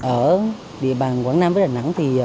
ở địa bàn quảng nam với đà nẵng